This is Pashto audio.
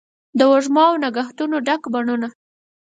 د وږمو او نګهتونو ډک بڼوڼه